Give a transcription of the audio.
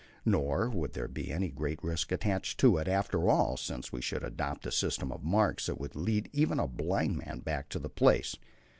Nor would there be any great risk attached to it, after all, since we should adopt a system of marks that would lead even a blind man back to the place.